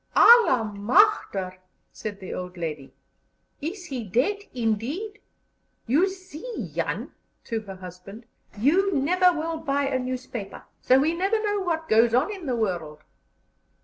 "Alle machter!" said the old lady. "Is He dead indeed? You see, Jan" (to her husband) "you never will buy a newspaper, so we never know what goes on in the world."